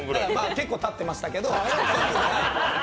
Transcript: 結構たってましたけど。